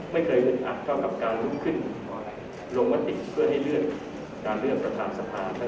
ไม่เคยอึดอัดเท่ากับการลุกขึ้นมาลงมติเพื่อให้เลื่อนการเลือกประธานสภา